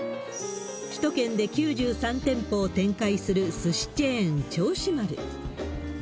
首都圏で９３店舗を展開するすしチェーン、銚子丸。